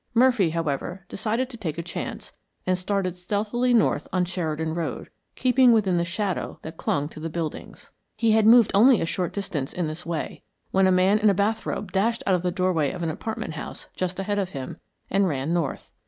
Murphy, however, decided to take a chance, and started stealthily north on Sheridan Road, keeping within the shadow that clung to the buildings. He had moved only a short distance in this way when a man in a bath robe dashed out of the doorway of an apartment house just ahead of him and ran north.